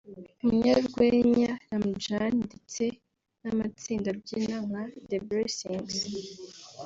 umunyarwenya Ramjan ndetse n’amatsinda abyina nka The Blessings